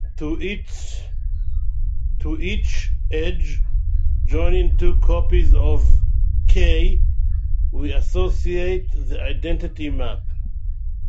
To each edge joining two copies of "K" we associate the identity map.